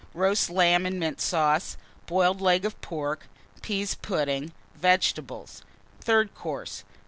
Roast Lamb and Mint Sauce. Boiled Leg of Pork. Pease Pudding. Vegetables. THIRD COURSE.